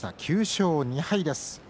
９勝２敗です。